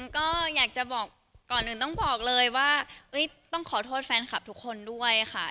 ก็อยากจะบอกก่อนอื่นต้องบอกเลยว่าต้องขอโทษแฟนคลับทุกคนด้วยค่ะ